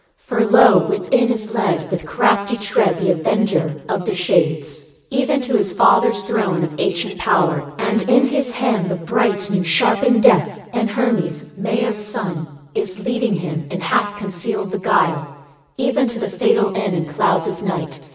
For lo! within is led 2 With crafty tread the avenger of the shades, Even to his father's throne of ancient power, And in his hand the bright new sharpened death! And Hermes, Maia's son, Is leading him, and hath concealed the guile Even to the fatal end in clouds of night.